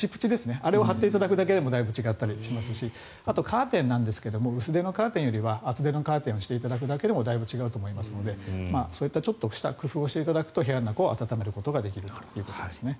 あれを貼っていただくだけでもだいぶ違ったりしますしあと、カーテンなんですが薄手のカーテンよりは厚手のカーテンをしていただくだけでもだいぶ違うと思いますのでそういうちょっとした工夫をしていただくと、部屋の中を暖めることができますね。